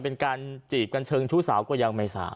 เป็นการจีบกันเชิงชู้สาวก็ยังไม่ทราบ